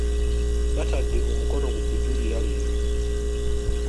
Batadde omukono ku kujulira leero.